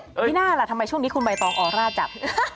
ไม่น่าล่ะทำไมช่วงนี้คุณใบตองออร่าจับ